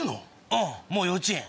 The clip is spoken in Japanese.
うんもう幼稚園。